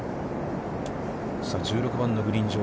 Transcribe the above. １６番のグリーン上。